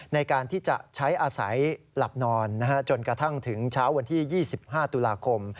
ในการที่จะใช้อาศัยหลับนอนจนกระทั่งถึงเช้าวันที่๒๕ตุลาคม